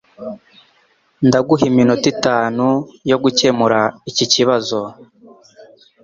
Ndaguha iminota itanu yo gukemura iki kibazo.